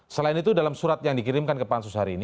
selain itu dalam surat yang dikirimkan ke pansus hari ini